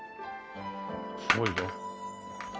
すごいよ。